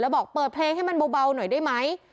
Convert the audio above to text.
บอกเปิดเพลงให้มันเบาหน่อยได้ไหม